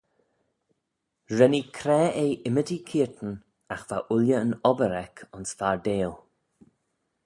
Ren ee craa eh ymmodee keayrtyn agh va ooilley yn obbyr eck ayns fardail.